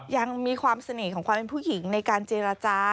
ยังมีความเสน่ห์ของความเป็นผู้หญิงในการเจรจา